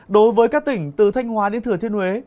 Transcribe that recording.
đối với các tỉnh từ thanh hóa đến thừa thiên huế